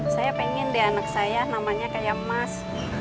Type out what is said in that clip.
saya pengen deh anak saya namanya kayak mas